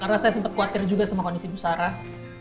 karena saya sempat khawatir juga sama kondisi bu sarah